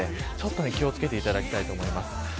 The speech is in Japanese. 気を付けていただきたいです。